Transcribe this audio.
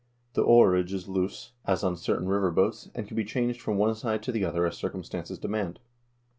The oarage is loose, as on certain river boats, and can be changed from one side to the other as circumstances demand."